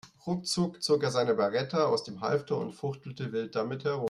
Ruckzuck zog er seine Beretta aus dem Halfter und fuchtelte wild damit herum.